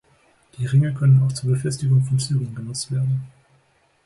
Die Ringe können auch zur Befestigung von Zügeln genutzt werden.